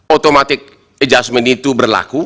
automatic adjustment itu berlaku